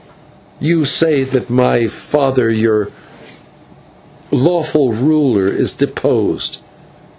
You say that my father, your lawful ruler, is deposed.